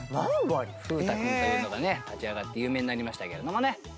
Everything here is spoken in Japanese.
風太くんというのがね立ち上がって有名になりましたけれどもね。